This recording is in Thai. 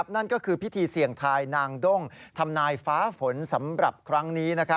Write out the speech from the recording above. นั่นก็คือพิธีเสี่ยงทายนางด้งทำนายฟ้าฝนสำหรับครั้งนี้